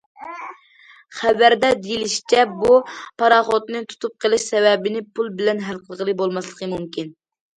خەۋەردە دېيىلىشىچە، بۇ پاراخوتنى تۇتۇپ قېلىش سەۋەبىنى پۇل بىلەن ھەل قىلغىلى بولماسلىقى مۇمكىن.